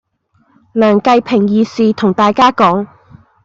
梁繼平義士同大家講